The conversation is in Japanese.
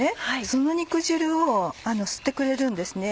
その肉汁を吸ってくれるんですね。